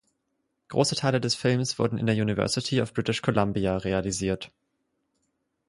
Große Teile des Films wurden in der University of British Columbia realisiert.